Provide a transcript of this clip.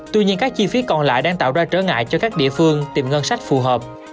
tuy nhiên các chi phí còn lại đang tạo ra trở ngại cho các địa phương tìm ngân sách phù hợp